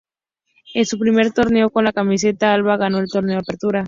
En su primer torneo con la camiseta alba ganó el Torneo Apertura.